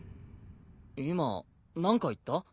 今何か言った？